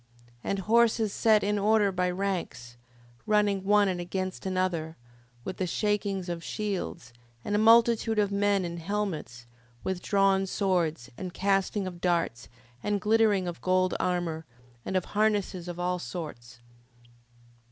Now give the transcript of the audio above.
5:3. And horses set in order by ranks, running one against another, with the shakings of shields, and a multitude of men in helmets, with drawn swords, and casting of darts, and glittering of golden armour, and of harnesses of all sorts.